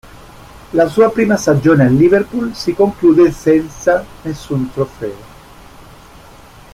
La sua prima stagione al Liverpool si conclude senza nessun trofeo.